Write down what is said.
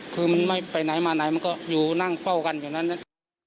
คือมันไม่ไปไหนมาไหนมันก็อยู่นั่งเฝ้ากันอยู่นั้นนะ